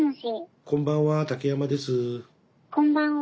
こんばんは。